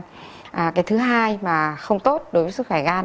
cái thứ hai mà không tốt đối với sức khỏe gan